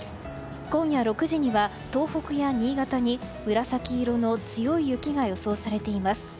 今夜６時には東北や新潟に紫色の強い雪が予想されています。